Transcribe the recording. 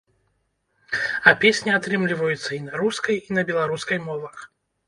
А песні атрымліваюцца і на рускай, і на беларускай мовах.